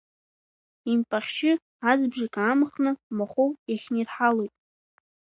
Импахьшьы азбжак аамхны махәык иахьнирҳалоит.